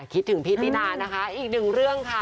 คิดถึงพี่ตินานะคะอีกหนึ่งเรื่องค่ะ